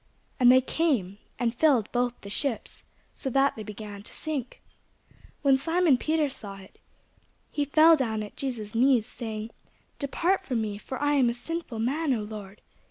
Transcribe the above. And they came, and filled both the ships, so that they began to sink. When Simon Peter saw it, he fell down at Jesus' knees, saying, Depart from me; for I am a sinful man, O Lord.